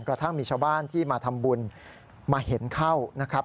กระทั่งมีชาวบ้านที่มาทำบุญมาเห็นเข้านะครับ